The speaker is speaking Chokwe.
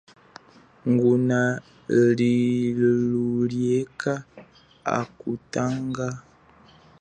Nguna lilulieka hakutanga.